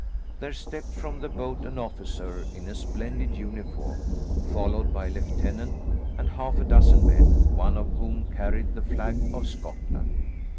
There stepped from the boat an officer in a splendid uniform, followed by a lieutenant and half a dozen men, one of whom carried the flag of Scotland.